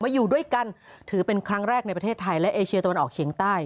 อยู่ด้วยกันถือเป็นครั้งแรกในประเทศไทยและเอเชียตะวันออกเฉียงใต้